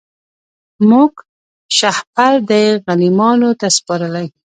موږ شهپر دی غلیمانو ته سپارلی